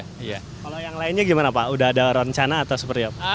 kalau yang lainnya gimana pak udah ada rencana atau seperti apa